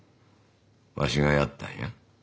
わしがやったんや。